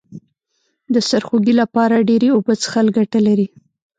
د سرخوږي لپاره ډیرې اوبه څښل گټه لري